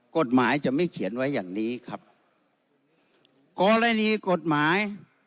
กฎหมายจะไม่เขียนไว้อย่างนี้ครับกรณีกฎหมาย